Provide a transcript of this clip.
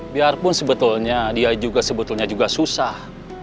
biarpun sebetulnya dia juga sebetulnya juga susah